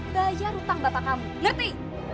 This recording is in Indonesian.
belajar hutang bapak kamu ngerti